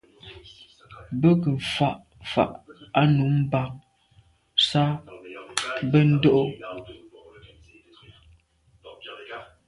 Be ke mfà’ fà’ à num bam s’a be ndô.